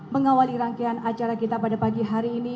mengawali rangkaian acara kita pada pagi hari ini